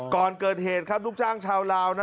ก่อนเกิดเหตุครับลูกจ้างชาวลาวนะ